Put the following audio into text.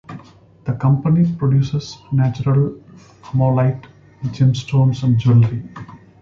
The company produces natural ammolite gemstones and jewelry.